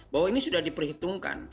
bahwa ini sudah diperhitungkan